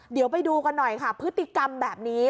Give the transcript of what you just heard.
เดี๋ยวไปดูกันหน่อยค่ะพฤติกรรมแบบนี้